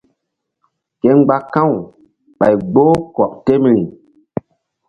Ke mgba ka̧w ɓay gboh kɔk temri.